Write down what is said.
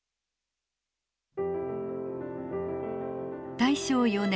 大正４年。